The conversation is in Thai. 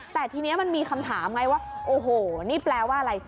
แต่ทีนี้มันมีคำถามไงว่าโอ้โหนี่แปลว่าอะไร